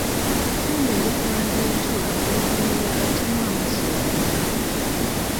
Fumba ebikoola by'entula oluvannyuma ogattemu amazzi obinywe.